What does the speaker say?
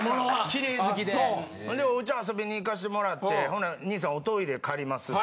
・綺麗好きで・ほんでおうち遊びに行かしてもらってほな兄さんおトイレ借りますと。